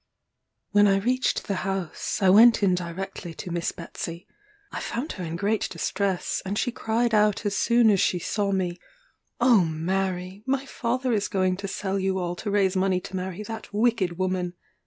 When I reached the house, I went in directly to Miss Betsey. I found her in great distress; and she cried out as soon as she saw me, "Oh, Mary! my father is going to sell you all to raise money to marry that wicked woman.